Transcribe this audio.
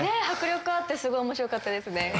迫力あってすごい面白かったですね。